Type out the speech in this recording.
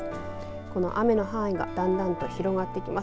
この雨の範囲がだんだんと広がってきます。